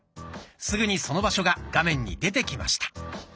すぐにその場所が画面に出てきました。